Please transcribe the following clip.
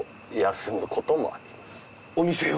お店を？